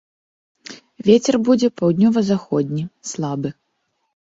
Вецер будзе паўднёва-заходні, слабы.